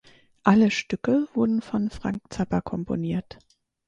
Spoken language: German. Alle Stücke wurden von Frank Zappa komponiert.